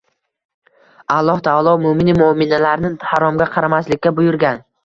Alloh taolo mo‘minu mo‘minalarni haromga qaramaslikka buyurgan.